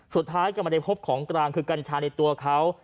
สุดท้ายก็ไม่ได้พบของกลางคือกัญชาในตัวเขา